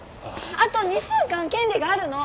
あと２週間権利があるの！